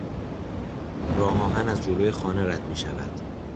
راهآهن از جلو خانه رد میشود.